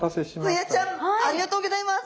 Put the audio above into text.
ホヤちゃんありがとうギョざいます。